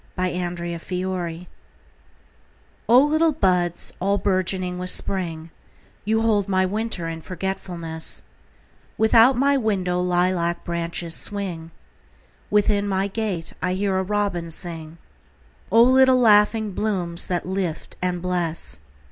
A Song in Spring O LITTLE buds all bourgeoning with Spring, You hold my winter in forgetfulness; Without my window lilac branches swing, Within my gate I hear a robin sing—O little laughing blooms that lift and bless!